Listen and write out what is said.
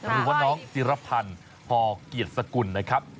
หรือว่าน้องจิรพันธ์ห่อเกียรติสกุลนะครับ